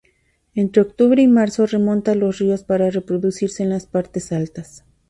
Entre octubre y marzo remonta los ríos para reproducirse en las partes altas.